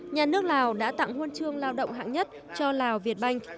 nhà nước lào đã tặng huân chương lao động hạng nhất cho lào việt banh